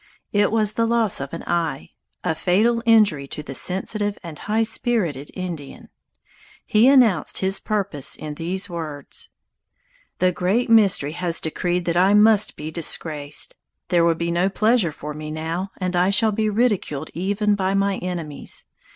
It was the loss of an eye, a fatal injury to the sensitive and high spirited Indian. He announced his purpose in these words: "The 'Great Mystery' has decreed that I must be disgraced. There will be no pleasure for me now, and I shall be ridiculed even by my enemies.